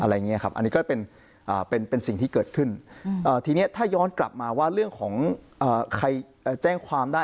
อันนี้ครับอันนี้ก็เป็นสิ่งที่เกิดขึ้นทีนี้ถ้าย้อนกลับมาว่าเรื่องของใครแจ้งความได้